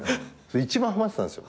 一番はまってたんですよ。